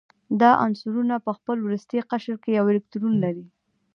دا عنصرونه په خپل وروستي قشر کې یو الکترون لري.